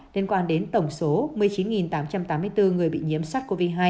liên quan đến tổng số một mươi chín tám trăm tám mươi bốn người bị nhiễm sars cov hai